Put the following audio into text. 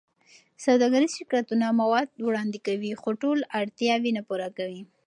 سوداګریز شرکتونه مواد وړاندې کوي، خو ټول اړتیاوې نه پوره کېږي.